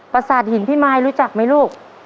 ประสาทหินพี่มายรู้จักไหมลูก